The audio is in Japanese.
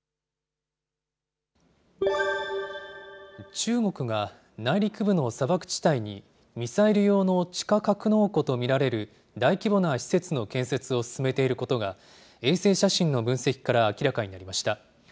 中国が内陸部の砂漠地帯に、ミサイル用の地下格納庫と見られる大規模な施設の建設を進めていることが、衛星写真の分析から明らかになりました。